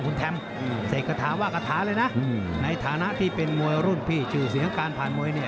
คุณแฮมเสกกระถาว่ากระถาเลยนะในฐานะที่เป็นมวยรุ่นพี่ชื่อเสียงการผ่านมวยเนี่ย